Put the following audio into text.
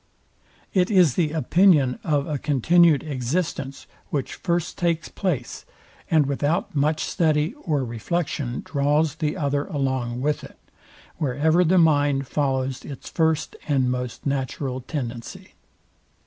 It is the opinion of a continued existence, which first takes place, and without much study or reflection draws the other along with it, wherever the mind follows its first and most natural tendency.